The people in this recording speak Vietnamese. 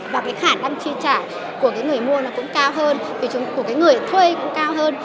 và cái khả năng chia trải của người mua nó cũng cao hơn của người thuê cũng cao hơn